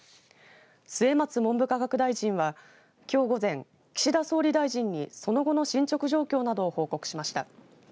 末松文部科学大臣はきょう午前、岸田総理大臣にその後の進捗状況などを報告しました。